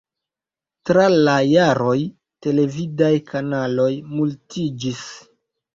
Tra la jaroj, televidaj kanaloj multiĝis.